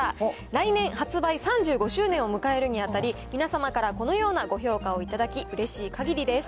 来年、発売３５周年を迎えるにあたり、皆様からこのようなご評価を頂き、うれしいかぎりです。